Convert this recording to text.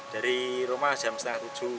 dari rumah jam setengah tujuh